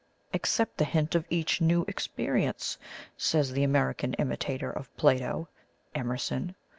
'Accept the hint of each new experience,' says the American imitator of Plato Emerson.